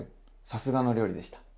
さすがの料理でした。